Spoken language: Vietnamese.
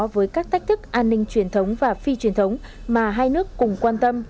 với các tách thức an ninh truyền thống và phi truyền thống mà hai nước cùng quan tâm